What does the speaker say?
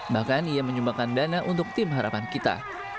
bahkan ia menyumbangkan dana untuk tim harapan kita